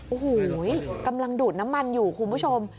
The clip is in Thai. โอ้โหกำลังดูดน้ำมันอยู่คุณผู้ชม